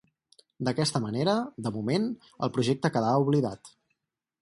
D'aquesta manera, de moment, el projecte quedava oblidat.